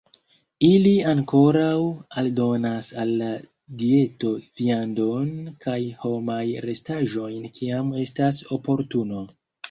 Ili ankaŭ aldonas al la dieto viandon kaj homaj restaĵojn kiam estas oportuno.